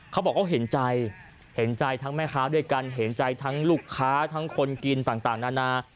เขาบอกเขาเห็นใจเห็นใจทั้งแม่ค้าด้วยกันเห็นใจทั้งลูกค้าทั้งคนกินต่างนานา